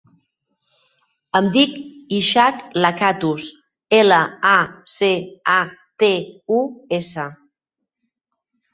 Em dic Ishak Lacatus: ela, a, ce, a, te, u, essa.